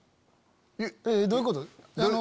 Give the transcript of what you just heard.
えっどういうこと？